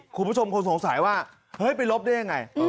คุณผู้ชมคนสงสัยว่าเฮ้ยไปลบได้ยังไง